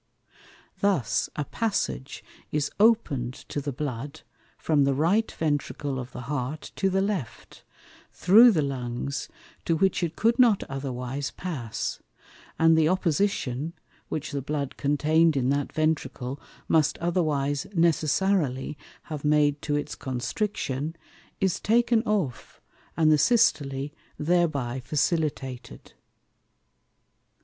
Thus a passage is open'd to the Blood, from the Right Ventricle of the Heart to the Left, through the Lungs, to which it could not otherwise pass; and the opposition, which the Blood contain'd in that Ventricle, must otherwise necessarily have made to its Constriction, is taken off, and the Systole thereby facilitated.